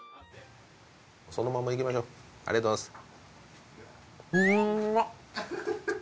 そのまんまいきましょうありがとうございます